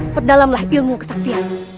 pendalamlah ilmu kesaktian